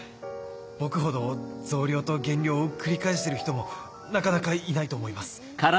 僕ほど増量と減量を繰り返してる人もなかなかいないと思います。